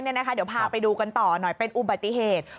เดี๋ยวพาไปดูกันต่อหน่อยเป็นอุบัติเหตุ